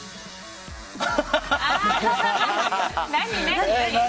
何、何？